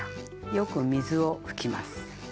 よく水を拭きます。